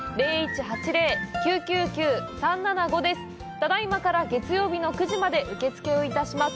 ただいまから月曜日の９時まで受付をいたします。